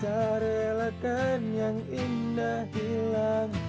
tak relakan yang indah hilang